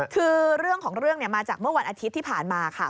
คือเรื่องของเรื่องมาจากเมื่อวันอาทิตย์ที่ผ่านมาค่ะ